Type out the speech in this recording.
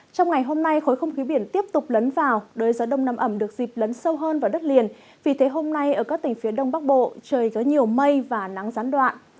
trong ngày hôm nay khối không khí biển tiếp tục lấn vào đới gió đông nam ẩm được dịp lấn sâu hơn vào đất liền vì thế hôm nay ở các tỉnh phía đông bắc bộ trời có nhiều mây và nắng gián đoạn